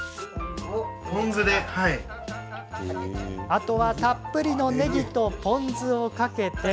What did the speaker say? あとは、たっぷりのねぎとポン酢をかけて。